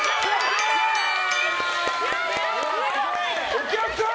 お客さん！